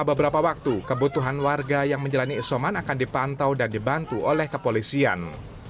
beberapa waktu kebutuhan warga yang menjalani isoman akan dipantau dan dibantu oleh kepolisian